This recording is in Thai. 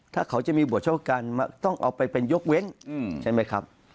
ถ้าเขาจะมีบทเฉพาะการต้องเอาไปเป็นยกเว้นใช่ไหมครับ